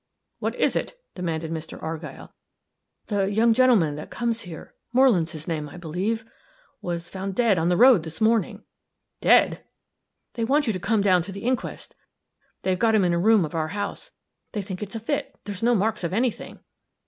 "What is it?" demanded Mr. Argyll. "The young gentleman that comes here Moreland's his name, I believe was found dead on the road this morning." "Dead!" "They want you to come down to the inquest. They've got him in a room of our house. They think it's a fit there's no marks of any thing."